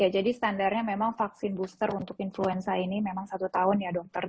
ya jadi standarnya memang vaksin booster untuk influenza ini memang satu tahun ya dokter